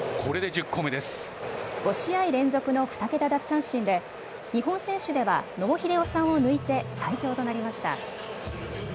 ５試合連続の２桁奪三振で日本選手では野茂英雄さんを抜いて最長となりました。